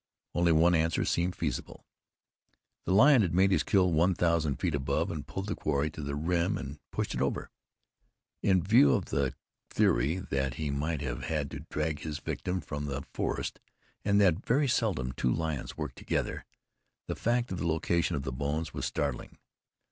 Only one answer seemed feasible. The lion had made his kill one thousand feet above, had pulled his quarry to the rim and pushed it over. In view of the theory that he might have had to drag his victim from the forest, and that very seldom two lions worked together, the fact of the location of the bones as startling.